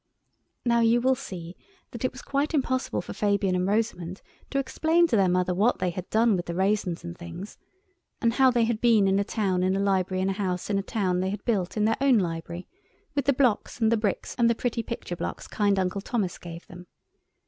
Now you will see that it was quite impossible for Fabian and Rosamund to explain to their mother what they had done with the raisins and things, and how they had been in a town in a library in a house in a town they had built in their own library with the books and the bricks and the pretty picture blocks kind Uncle Thomas gave them.